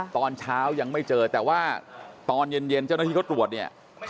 ตอนเช้ายังไม่เจอแต่ว่าตอนเย็นเจ้าหน้าที่เขาตรวจเนี่ย